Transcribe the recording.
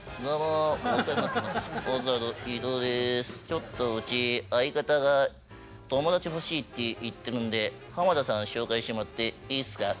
ちょっとうち相方が友達欲しいって言ってるんで浜田さん紹介してもらっていいっすか？